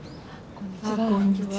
こんにちは。